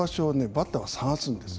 バッターは探すんです。